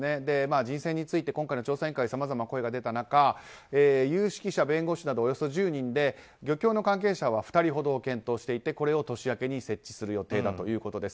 人選について今回の調査委員会はさまざまな声が出た中有識者、弁護士などおよそ１０人で漁協の関係者は２人ほど検討していてこれを年明けに設置する予定だということです。